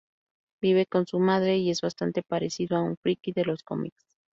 Vive con su madre y es bastante parecido a un "friki" de los cómics.